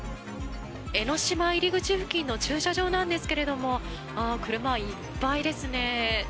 江の島入り口付近の駐車場なんですけれども車、いっぱいですね。